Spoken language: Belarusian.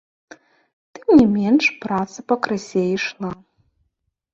Тым не менш праца пакрысе ішла.